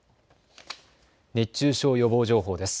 熱中症予防情報です。